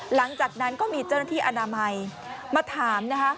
หลังจากนั้นก็มีเจ้าหน้าที่อนามัยมาถามนะคะ